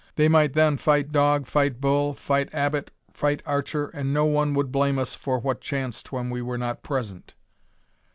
They might then fight dog fight bull, fight Abbot fight archer, and no one could blame us for what chanced when we were not present."